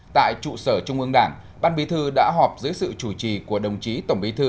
tại trụ sở trung ương đảng ban bí thư đã họp dưới sự chủ trì của đồng chí tổng bí thư